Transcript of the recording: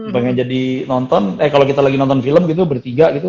pengen jadi nonton eh kalau kita lagi nonton film gitu bertiga gitu